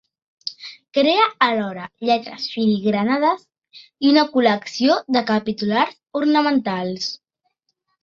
Crea alhora lletres filigranades i una col·lecció de capitulars ornamentals.